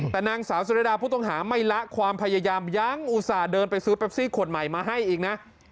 แต่นางสาวสุรดาผู้ต้องหาไม่ละความพยายามยังอุตส่าห์เดินไปซื้อแปปซี่ขวดใหม่มาให้อีกนะ